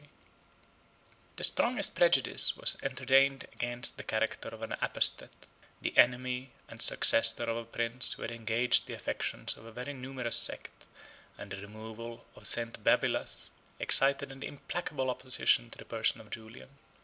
] The strongest prejudice was entertained against the character of an apostate, the enemy and successor of a prince who had engaged the affections of a very numerous sect; and the removal of St. Babylas excited an implacable opposition to the person of Julian.